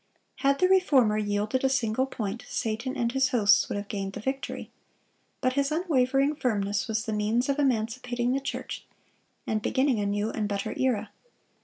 Had the Reformer yielded a single point, Satan and his hosts would have gained the victory. But his unwavering firmness was the means of emancipating the church, and beginning a new and better era.